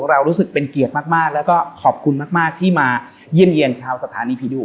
เรารู้สึกเป็นเกียรติมากแล้วก็ขอบคุณมากที่มาเยี่ยมเยี่ยมชาวสถานีผีดุ